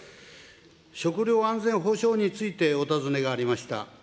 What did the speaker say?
食料安全保障についてお尋ねがありました。